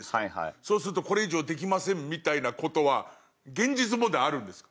そうするとこれ以上できませんみたいな事は現実問題あるんですか？